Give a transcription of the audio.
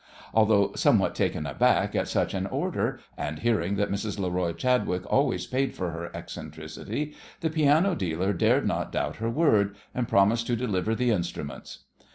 Although somewhat taken aback at such an order, and hearing that Mrs. Leroy Chadwick always paid for her eccentricity, the piano dealer dared not doubt her word, and promised to deliver the instruments.